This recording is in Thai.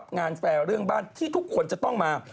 งานแฟร์เรื่องบ้านที่ทุกคนจะต้องมา